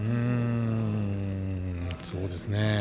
そうですね